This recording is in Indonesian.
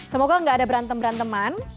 semoga gak ada berantem beranteman